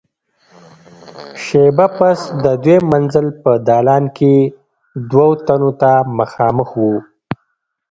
شېبه پس د دويم منزل په دالان کې دوو تنو ته مخامخ وو.